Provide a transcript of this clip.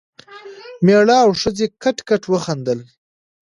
مېړه او ښځې کټ کټ وخندل.